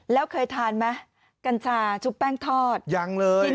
แล้วเคยทานไหมกัญชาชุบแป้งทอดยังเลย